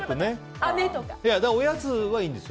おやつはいいんです。